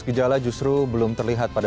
gejala justru belum terlihat pada